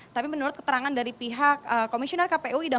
tapi menurut keterangan dari pihak komisioner kpu